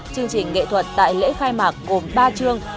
chương trình nghệ thuật tại lễ khai mạc gồm ba chương